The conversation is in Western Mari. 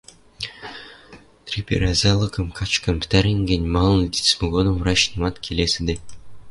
«Трипер ӓзӓлыкым качкын пӹтӓрен гӹнь, малын лицӹмӹ годым врач нимат келесӹде?